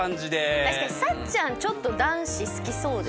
確かにさっちゃんちょっと男子好きそうですね。